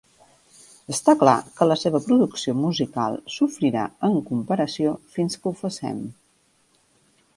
Està clar que la seva producció musical sofrirà en comparació fins que ho facem.